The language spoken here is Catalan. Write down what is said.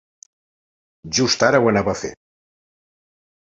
Just ara ho anava a fer!